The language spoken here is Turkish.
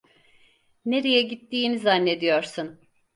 Nereye gittiğini zannediyorsun?